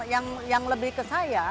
yang lebih ke saya